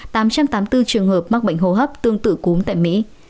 tám trăm tám mươi bốn trường hợp mắc bệnh hô hấp tương tự cúm tại mỹ